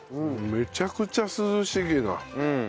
めちゃくちゃ涼しげな。